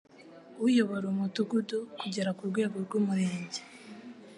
Uyobora umudugudu kugera ku rwego rw'umurenge